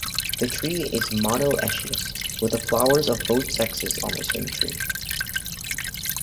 The tree is monoecious, with flowers of both sexes on the same tree.